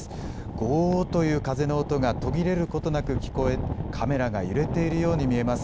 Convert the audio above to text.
ごーっという風の音が途切れることなく聞こえ、カメラが揺れているように見えます。